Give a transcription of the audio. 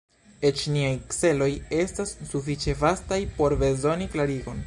Eĉ niaj celoj estas sufiĉe vastaj por bezoni klarigon.